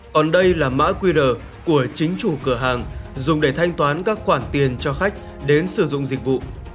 còn đây là mã qr của chính chủ cửa hàng dùng để thanh toán các khoản tiền cho khách đến sử dụng dịch vụ